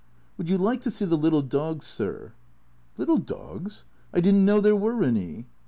" Would you like to see the little dogs, sir ?"" Little dogs ? I did n't know there were any."